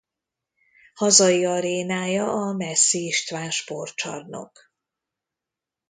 Hazai arénája a Messzi István Sportcsarnok.